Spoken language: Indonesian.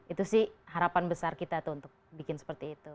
itu sih harapan besar kita tuh untuk bikin seperti itu